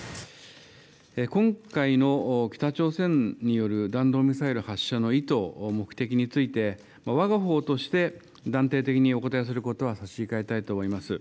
今回の北朝鮮による弾道ミサイル発射の意図、目的について、わがほうとして断定的にお答えすることは差し控えたいと思います。